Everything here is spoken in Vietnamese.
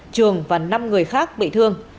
trường và năm người khác bị thương